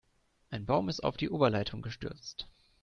Ein Baum ist auf die Oberleitung gestürzt.